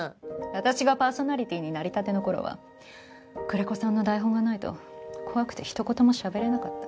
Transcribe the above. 私がパーソナリティーになりたての頃は久連木さんの台本がないと怖くてひと言も喋れなかった。